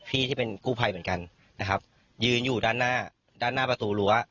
ที่เป็นกู้ภัยเหมือนกันนะครับยืนอยู่ด้านหน้าด้านหน้าประตูรั้ว